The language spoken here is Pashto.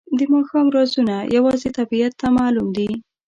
د ماښام رازونه یوازې طبیعت ته معلوم دي.